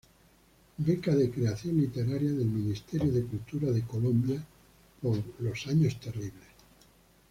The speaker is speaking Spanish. Beca de Creación Literaria del Ministerio de Cultura de Colombia por "Los años terribles.